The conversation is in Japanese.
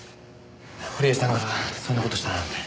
堀江さんがそんな事したなんて。